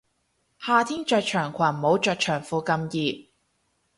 夏天着長裙冇着長褲咁熱